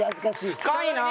深いなあ。